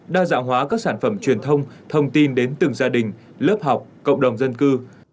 đa dạng hóa các sản phẩm truyền thông thông tin đến từng gia đình lớp học cộng đồng dân cư